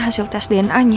hasil tes dnanya